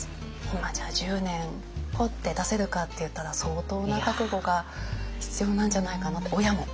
今じゃあ１０年ポッて出せるかっていったら相当な覚悟が必要なんじゃないかなって親も。